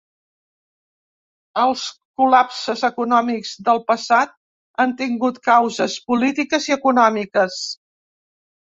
Els col·lapses econòmics del passat han tingut causes polítiques i econòmiques.